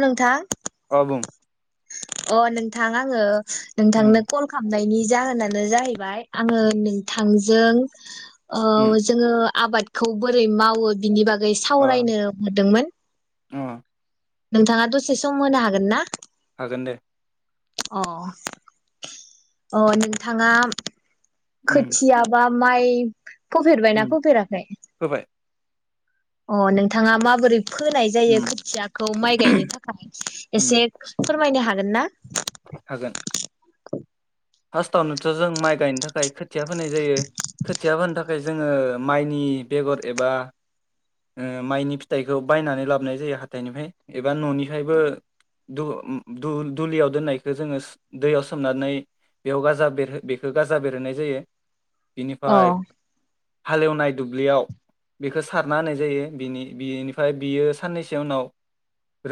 नोंथा अ बुं अ नोंथां आङो उम नोंथांनो कल खालामनायनि जाहोनानो जाहैबाय आङो नोंथांजों औ उम जोङो आबादखौ बोरै मावो बिनि बाग गै सावरायनो हरदोंमोन। ओं। नोंथाङा दसे सम होनो हागोन ना? हागोन दे। अ अ अ नोंथाङा उम खोथिया बा माइ फोफेरबायना उम फोफेराखै फोबाय अ नोंथाङा माबोरै फोनाय जायो उम खोथियाखौ माइ गायनो थाखाय एसे उम फोरमायनो हाग होनना? हागोन। फास्टावनोथ जों माइ गायनो थाखाय खोथ थिया फोनाय जायो खोथिया फोनो थाखाय जोङो माइनि बेगर एबा ओ माइनि फिथाइखौ बायनानै लाबोनाय जायो हाथाइनिफाय एबा ननिफायबो दु ओ दुल दुलियाव दोननायखौ जोङो दैयाव सोमनानै बेयाव गाजा बेरहो बेरहो गाजा बेरहोनाय जायो अ बिनिफाय हालेवनाय दुब्लियाव बेखौ सारना होनाय जायो बिनि बिनिफ्राय बियो साननैसो उनाव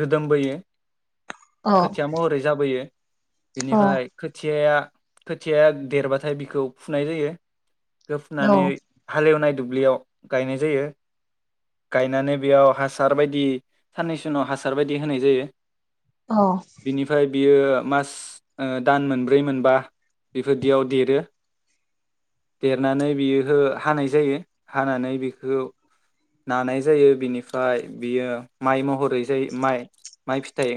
रोदोमबोयो अ खोथिया महरै जाबोयो अ बेनिफाय खोथिया खोथियाया देरबाथाय बिखौ फुनाय जायो अ गोफनानै हालेवनाय दुब्लियाव गायनाय जायो गायनानै बेयाव हासार बायदि साननैसो उनाव हासार बायदि होनाय जायो औ बिनिफ्राय बियो मास ओ दान मोन बै मोनबा बेफोरदियाव देरो देरनानै बियो हो हानाय जायो हानानै बेखौ नानाय जायो बिनिफाय बियो माइ महरै जायो माइ माइ फिथाइ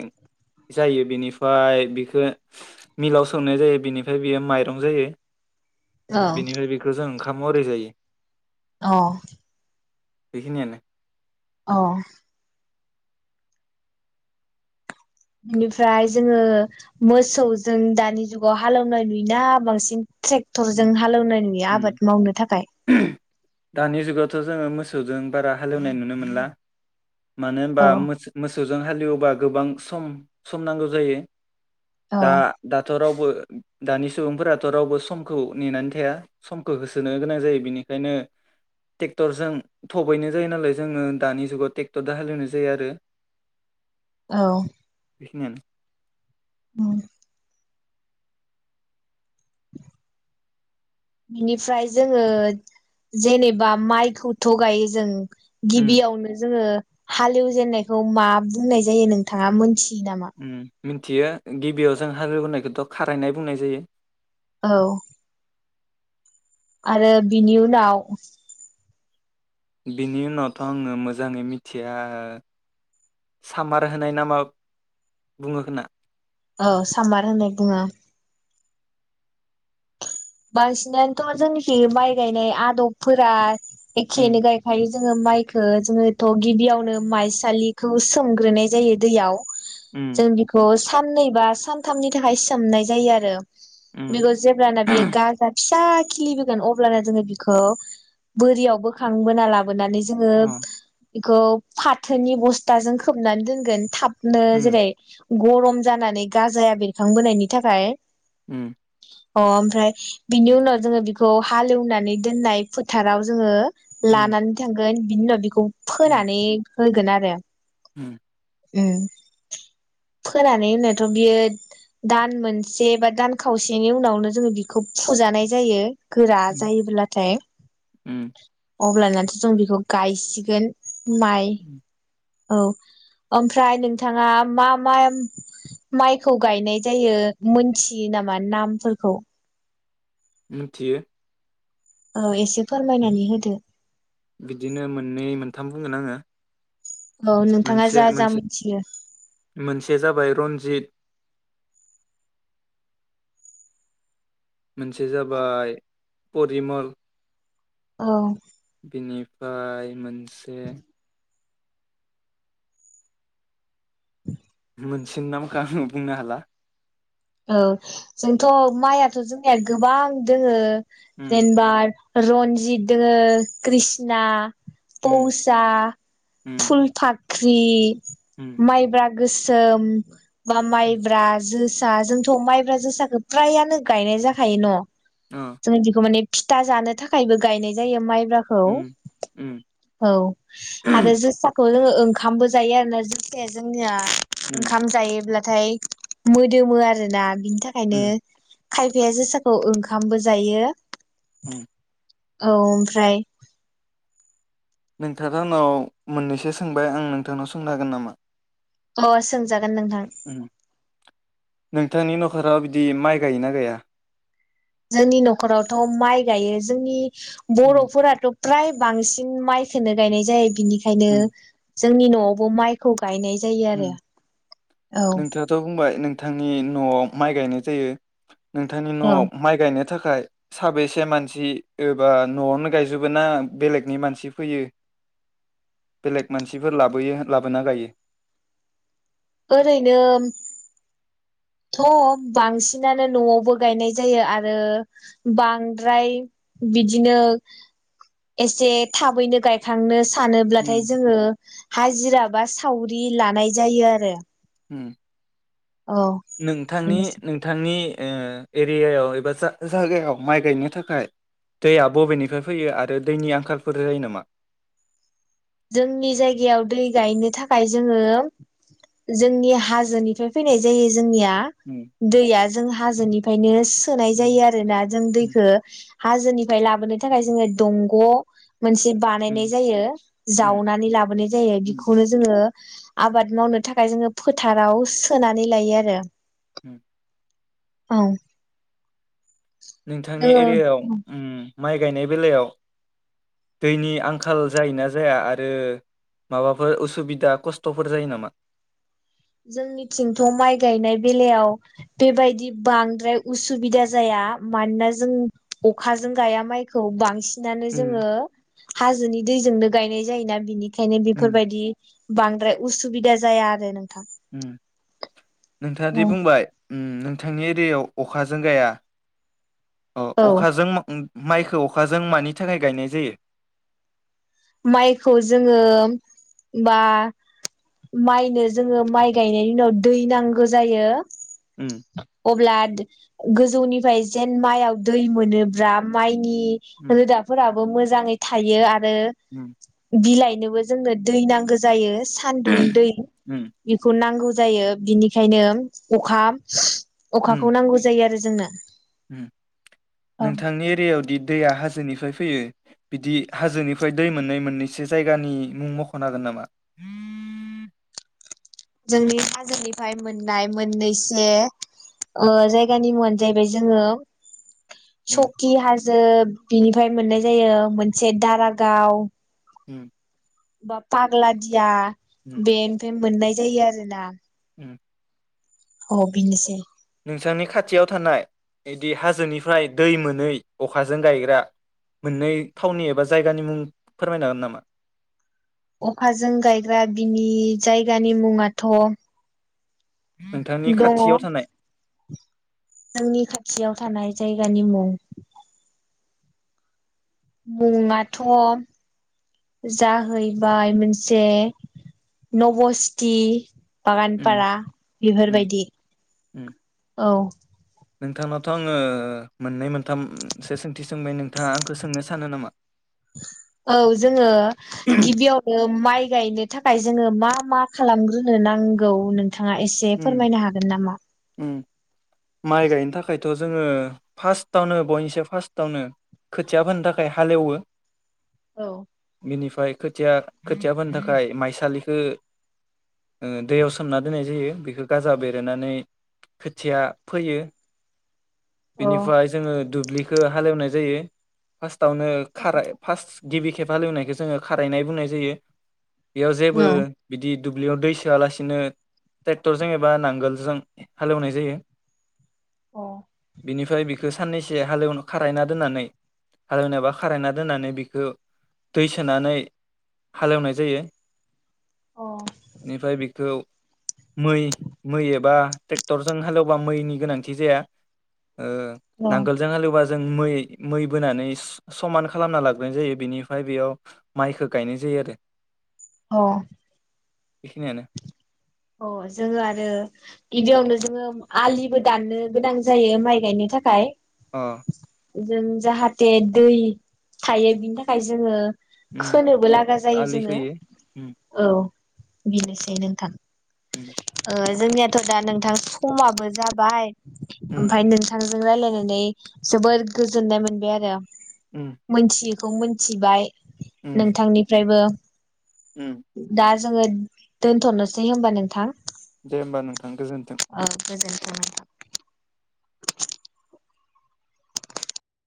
जायो बिनिफाय बिखौ मिलाव सौनाय जायो बिनिफाय बियो माइरं जायो अ बेनिफाय बेखौ जों खामरै जायो औ बेखिनियानो औ बेनिफ्राय जोङो मोसौजों दानि जुगाव हालौनाय नुयोना बांसिन ट्रेक्टरजों हालौनाय नुयो आबाद मावनो थाखाय दानि जुगावथ जोङो मोसौजों बारा हालौनाय नुनो मोनला मानो होनबा औ मोसौ मोसौजों हालेवबा गोबां सम सम नांगौ जायो औ दा दाथ' राव दानि सुबुंफोराथ' रावबो सम नेनानै थखौ होसोनो गोनां जायो बेनिखायनो ट्रेक्टरजों थबैनो जायो नालाय जोङो दानि जुगाव ट्रेक्टर द हालेवनाय जायो आरो औ मोन औ बिनिफ्राय जोङो जेनेबा माइखौ थगायो जों उम गिबियावनो जोङो हालेवजेननायखौ मा बुंनाय जायो नोंथाङा मोनथि बिदामा मिन्थियो गिबियाव जों हालेवग्रोनायखौथ' खारायनाय बुंनाय जायो औ आरो बिनि उनाव बिनि उनावथ' आङो मोजाङै मिथिया सामार होनाय नामा बुङो ख ना औ समार होननाय बुङो। बांसिनानोथ' जोंखि माइ गायनाय आदबफोरा। उम एखेयैनो गयखायो। जोङो माइखौ जोङोथ' गिबियावनो माइसालिखौ सोमग्रोनाय जायो दैयाव। उम जों बेखौ साननै बा सान थामनि थाखाय सोमनाय जायो आरो। उम बेखौ जेब्लानो बियो। फिसा खिलि होगोन अब्लानो जोङो बिखौ बोरयाव बोखांबोना लाबो नानै जोङो अ बेखौ फाथोनि बस्थाजों खोबनानै दोनगोन थाब नो उम जेरै- गरम जानानै गाजाया बेरखांबोनायनि थाखाय। उम। अ ओमफ्राय बिनि उनाव जोङो बिखौ हालेवनानै दोननाय फोथाराव जोङो। उम लानानै थांगोन। बिनि उनाव बिखौ उम फोनानै होगोन आरो। उम। उम फोनानै उनायावथ' बियो दान मोनसे बा दान खावसेनि उनावनो जोङो बि खौ फुजानाय जायो। गोरा उम जायोब्लाथाय। उम अब्लानाथ' जों बेखौ गायसिगोन माइ औ ओमफ्राय नोंथाङा मा मा माइखौ गायनाय जायो मोनथियो नामा नामफोरखौ? मिथियो। औ एसे फोरमायनानै होदो। बिदिनो मोननै मोनथाम बुंगोन आङो औ नोंथाङा मोनसे जा जा मोनसे मिथियो मोनसेया जाबाय रन्जित, मोनसे जाबाय परिमल, औ बिनिफ्राय मोनसे मोनसे नामखो आं बुंनो हाला। औ जोंथ' माइयाथ' जोंनिया गोबां दोङो उम जेनबार रनजित दोङो कृष्णा उम फौसा उम फुलफात ख्रि उम माइब्रा गोसोम बा माइब्रा जो सा जोंथ' माइब्रा जोसाखो फ्रायानो गायनाय जाखायो न'। अ जों जिखौ माने फिथा जानो थाखायबो गायनाय जायो माइ ब्राखौ उम उम औ आरो जोसाखौ जोङो ओंखामबो जायो आरोना जोसाया जोंनिया उम ओंखाम जायोब्ला थाय मो दोमो आरोना बि नि थाखायनो उम खायफाया जोसाखौ ओंखामबो जायो। उम [inaudible] औ ओमफ्राय नोंथाङाथ' आंनाव मोननैसो सोंबाय आं नोंथांनाव सोंनो हागोन नामा? अ सोंजा गोन नोंथां। उम नोंथांनि न'खराव बिदि माइ गायोना गाया? जोंनि न'खरावथ' माइ गायो जोंनि उम बर'फोराथ' फ्राय बांसिन माइखौनो गायनाय जायो। बिनिखायनो उम जोंनि न'आवबो माइखौ गायनाय जायो उम आरो औ। नोंथाङाथ' बुंबाय नोंथांनि न'आव माइ गायनाय जायो। नोंथांनि औ न'आव माइ गायनो थाखाय साबेसे मानसि ओ बा न'आवनो गायजोबो ना बेलेगनि मानसि फैयो बेलेग मानसिफोर लाबोयो लाबोना गायो? ओरैनो थ' बांसिनानो न'आवबो गायनाय जायो आरो बांद्राय बिदिनो एसे थाबैनो गायखांनो उम सानोब्लाथाय जोङो हाजिरा बा सावरि लानाय जायो आरो। होम। औ नोंथांनि बेनोसै नोंथांनि ओ एरियायाव एबा जायगायाव माइ गायनो थाखाय दैया बबेनिफ्राय फैयो आरो दैनि आंखालफोर जायो नामा? जोंनि जायगायाव दै गायनो थाखाय जोङो जोंनि हाजोनिफ्राय फैनाय जायो जोंनिया उम दैया जों हाजोनि ओंखायनो सोनाय उम जायो आरोना जों उम दैखौ हाजोनिफ्राय लाबोनो थाखाय जोङो दंग' मोनसे उम बानायनाय जायो। उम जावनानै लाबोनाय जायो बेखौनो जोङो ओ आबाद मावनो थाखाय जोङो फोथाराव सोनानै लायो आरो। उम औ नोंथांनि एरियायाव जोङो ओम माइ गायनाय बेलायाव दैनि आंखाल जायोना जाया आरो माबाफोर उसुबिदा खस्थ'फोर जायो नामा? जोंनिथिंथ' माइ गायनाय बेलायाव बेबायदि बांद्राय उसुबिदा जाया मानोना जों अखाजों गाया माइखौ बांसिनानो जोङो उम हाजोनि दैजोंनो गायनाय जायोना बिनि खायनो उम बेफोरबायदि बांद्राय उसुबिदा जाया आरो नोंथां। उम नोंथाङा जे औ बुंबाय ओम नोंथांनि एरियायाव अखाजों गाया ओ अखाजों माइखौ अखाजों मानि थाखाय गायनाय जायो? माइखौ जोङो बा माइनो जोङो माइ गायनायनि उनाव दै नांगौ जायो। उम अब्ला गोजौनिफ्राय जेन माइयाव दै मोनोब्ला माइ नि उम रोदाफोराबो मोजां मोजाङै थायो आरो बिलाइनोबो जोंनो दै नांगौ जायो। सानदुं उम दै उम बेखौ नांगौ। जायो बिनिखायनो अखा अखाखौ नांगौ जायो आरो जो जोंनो ओम नोंथांनि एरियायाव दि दैया हाजोनिफ्राय फैयो बिदि हाजोनिफ्राय दै मोननै मोननैसो जायगानि मुं मखनो हागोन नामा? जोंनि हाजोनिफ्राय मोननाय मोननैसे ओ जायगानि मुंङानो जाहैबाय जोंङो उम सखि हाजो बिनिफ्राय मोननाय जायो मोनसे दारागाव उम बा फाग्ला दिया उम बेनिफ्राय मोननाय जायो आरो ना उम औ बिनोसेै नोंसानि खाथियाव थानाय बिदि हाजोनिफ्राय दै मोनै अखाजों गायग्रा मोननै थावननि एबा जायगानि मुं फोरमायनो हागोन नामा? अखाजों गायग्रा बिनि जायगानि मुंङाथ नोंथांनि खाथियाव थानाय जोंनि खाथियाव थानाय जायगानि मुं मुंङाथ जाहैबाय मोनसे नबस्थि उम बागानफारा उम बेफोरबायदि उम औ नोंथांनावथ आंङो मोननै मोन थामसो सोंथि सोंबाय नोंथाङा आंखौ सोंनो सानो नामा? औ जोङो गिबियावनो माइ गायनो थाखाय जोङो मा मा खालामग्रोनो नांगौ नों थाङा एसे उम फोरमायनो हागोन नामा?? उम माइ गायनो थाखाय थ जोंङो फार्स्टावनो बयनिसो फार्स्टावनो खोथिया फोनो थाखाय हालेवो औ बिनिफ्राय खोथिया खोथिया फोनो थाखाय माइसालिखौ दैयाव ओ सोमना दोननाय जायो। बेखौ गाजा बेरायनानै खोथिया फोयो‌। अ बेनिफ्राय जोंङो दुब्लि हालेवनाय जायो फास तावनो खाराय फार्स्ट गिबि खेब हालेवनायखौ जोंङो खारायनाय बुंनाय जायो। बेयाव जेबो बिदि दुब्लियाव दै सोआलासिनो ट्रेक्टरजों एबा नांगोलजों हालेवनाय जायो। औ बिनिफ्राय बिखौ साननैसो हालेव खारायना दोननानै हालेवनायबा खारायना दोननानै बिखो दै सोनानै हालेवनाय जायो। [inaudible] निफ्राय बिखौ मै मै एबा ट्रेक्टरजों हालेवबा मैनि गोनांथि जाया ओ‌ अ नांगोलजों हालेवोबा जों मै मै बोनानै समान खालामनानै लाग्रोनाय जायो बेनिफ्राय बेयाव माइखौ गायनाय जायो आरो। अ बेखिनियानो अ जोङो आरो गिबियावनो जोङो आलिबो दाननो गोनां जायो माइ गायनो थाखाय। अ जों जाहाथे दै थायो बिनि थाखाय जोङो उम खोनोबो लागा जायो आलि जोङो खोयो उम औ। बिनोसै‌ नोंथां। उम ओ जोंनियाथ' दा नोंथां समाबो जाबाय। उम ओमफाय नोंथां रायलायनानै जोबोर गोजोननाय मोनबाय आरो उम मोनथियो। खौ मोनथिबाय। उम नोंथांनिफ्रायबो उम दा जोङो दोन्थ'नोसै होमबा नोंथां। दे होमबा नोंथां गोजोन्थों। ओ [unintelligible]